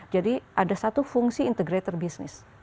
jadi ada satu fungsi integrator bisnis